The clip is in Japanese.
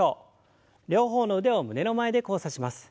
両方の腕を胸の前で交差します。